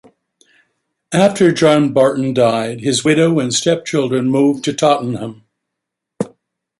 After John Barton died, his widow and stepchildren moved to Tottenham.